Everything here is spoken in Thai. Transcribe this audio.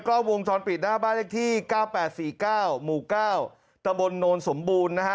กล้องวงจรปิดหน้าบ้านเลขที่๙๘๔๙หมู่๙ตะบนโนนสมบูรณ์นะฮะ